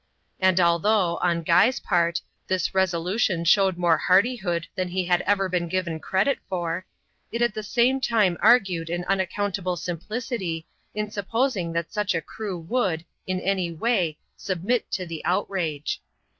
And although, on Guy's part, this resolution showed more hardihood than he had ever been given, credit for, it at the same time argued an unaccount able simplicity, in supposing that such a crew would, in any way, submit to the outrage.